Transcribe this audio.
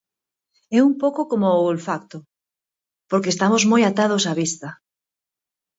É un pouco como o olfacto, porque estamos moi atados á vista.